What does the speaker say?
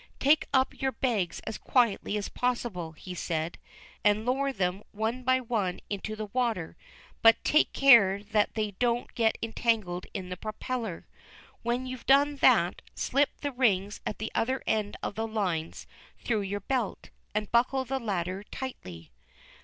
"Take up your bags as quietly as possible," he said, "and lower them one by one into the water, but take care that they don't get entangled in the propeller. When you've done that, slip the rings at the other end of the lines through your belt, and buckle the latter tightly."